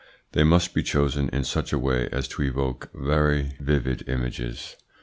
They must be chosen in such a way as to evoke very vivid images.